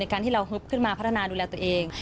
การที่เราฮึบขึ้นมาพัฒนาดูแลตัวเอง